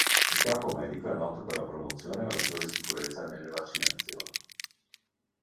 In campo medico è noto per la promozione e la maggiore sicurezza nelle vaccinazioni.